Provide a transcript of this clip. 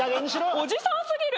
「おじさん過ぎる」！